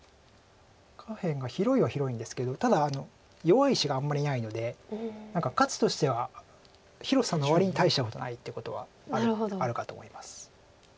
下辺が広いは広いんですけどただ弱い石があんまりないので価値としては広さの割に大したことないっていうことはあるかと思います。